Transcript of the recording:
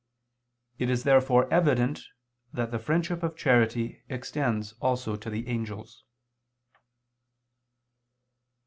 It is therefore evident that the friendship of charity extends also to the angels.